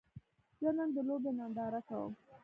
زه نن د لوبې ننداره کوم